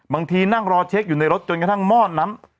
นั่งรอเช็คอยู่ในรถจนกระทั่งหม้อน้ำ